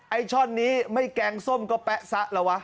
ไอ้ช่อนนี้ไม่แกล้งส้มก็แป๊ะซะเหรอวะ